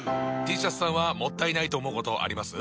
Ｔシャツさんはもったいないと思うことあります？